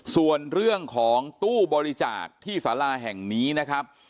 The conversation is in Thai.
ส่วนเรื่องของตู้บริจาคที่สาราแห่งนี้นะครับ